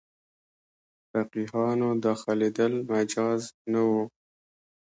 فقیهانو داخلېدل مجاز نه وو.